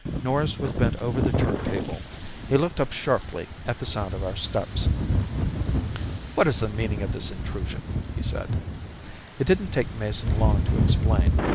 Norris was bent over the chart table. He looked up sharply at the sound of our steps. "What is the meaning of this intrusion?" he said. It didn't take Mason long to explain.